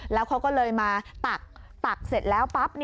แล้วเขาก็เลยมาตักเสร็จแล้วปั๊บ